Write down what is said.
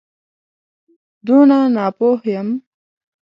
دونه ناپوه یم.